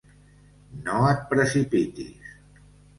No et precipitis...